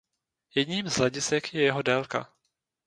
Jedním z hledisek je jeho délka.